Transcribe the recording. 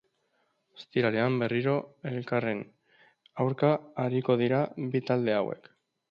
Ostiralean berriro elkarren aurka ariko dira bi talde hauek.